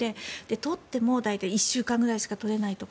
取っても、大体１週間ぐらいしか取れないとか。